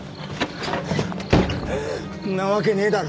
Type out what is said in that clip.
んなわけねえだろ。